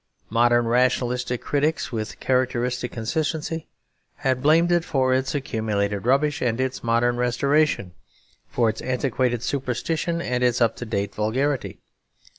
Modern rationalistic critics, with characteristic consistency, had blamed it for its accumulated rubbish and its modern restoration, for its antiquated superstition and its up to date vulgarity.